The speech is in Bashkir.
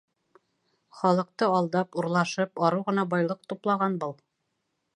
Халыҡты алдап, урлашып, арыу ғына байлыҡ туплаған был.